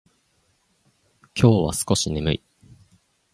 今日は少し眠い。